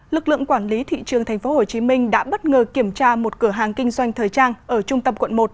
lực lượng quản lý thị trường tp hcm đã bất ngờ kiểm tra một cửa hàng kinh doanh thời trang ở trung tâm quận một